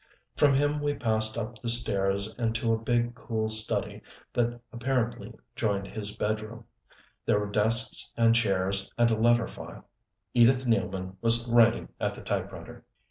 From him we passed up the stairs and to a big, cool study that apparently joined his bedroom. There were desks and chairs and a letter file. Edith Nealman was writing at the typewriter.